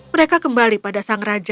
mereka kembali pada sang raja